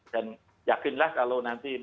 dan yakinlah kalau nanti